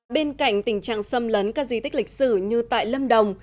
bên cạnh tình trạng xâm lấn các di tích lịch sử như tại lâm đồng